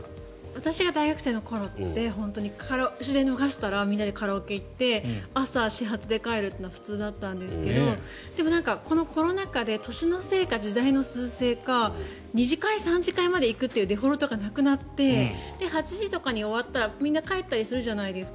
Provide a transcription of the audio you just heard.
私が大学生の時って終電を逃したらみんなでカラオケに行って朝、始発で帰るのが普通だったんですけどでも、このコロナ禍で年のせいか、時代のすう勢か２次会、３次会まで行くっていうデフォルトがなくなって８時過ぎたりするとみんな帰ったりするじゃないですか